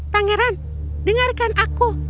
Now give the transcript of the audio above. pangeran dengarkan aku